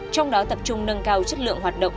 trong đó tập trung nâng cao chất lượng hoạt động